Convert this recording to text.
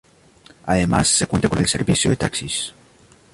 Además se cuenta con el servicio de taxis.